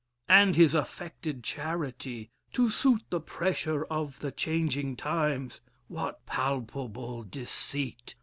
and his affected charity, To suit the pressure of the changing times, What palpable deceit!